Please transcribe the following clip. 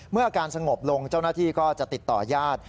เมื่ออาการสงบลงเจ้าหน้าที่ก็จะติดต่อยาศ